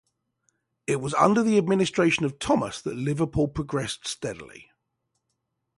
It was under the administration of Thomas that Liverpool progressed steadily.